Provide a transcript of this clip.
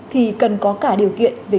thì cần có cả điều kiện về